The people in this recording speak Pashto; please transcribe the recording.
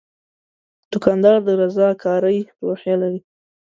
دوکاندار د رضاکارۍ روحیه لري.